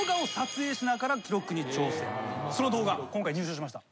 その動画今回入手しました。